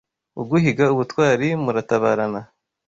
Uguhiga ubutwari muratabarana